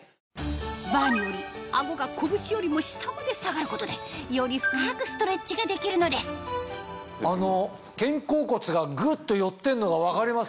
バーにより顎が拳よりも下まで下がることでより深くストレッチができるのです肩甲骨がグッと寄ってんのが分かりますね。